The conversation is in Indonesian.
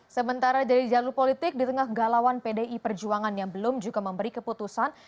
sementara jadi jalur politik di tengah galauan pdi perjuangan yang belum juga memberi keputusan